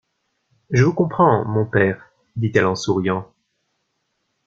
Je vous comprends, mon père, dit-elle en souriant.